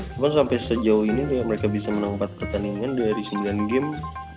cuma sampai sejauh ini mereka bisa menang empat pertandingan dari sembilan game